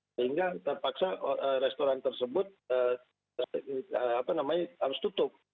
sehingga terpaksa restoran tersebut harus tutup